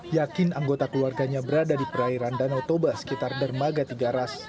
yakin anggota keluarganya berada di perairan danau toba sekitar dermaga tiga ras